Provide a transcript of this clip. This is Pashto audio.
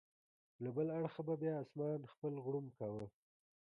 له بل اړخه به بیا اسمان خپل غړومب کاوه.